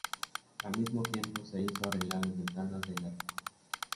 Al mismo tiempo, se hizo arreglar las ventanas del ático.